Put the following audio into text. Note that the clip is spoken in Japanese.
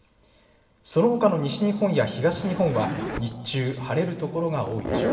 そのほかの西日本や東日本は日中、晴れる所が多いでしょう。